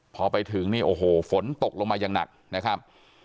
พอไปถึงนี่โอ้โหฝนตกลงมาอย่างหนักนะครับ